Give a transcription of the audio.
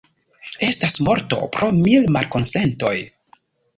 Estas morto pro mil malkonsentoj.